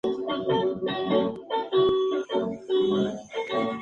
El Donosti Sound lo encabezaron bandas como La Buena Vida, Le Mans o Family.